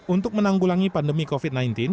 untuk menanggulangi pandemi covid sembilan belas